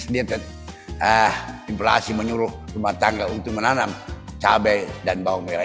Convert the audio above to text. dan juga implasi menyuruh rumah tangga untuk menanam cabai dan bawang merah